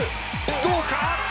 どうか！？